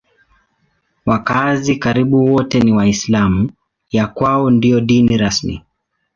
Wakazi karibu wote ni Waislamu; ya kwao ndiyo dini rasmi.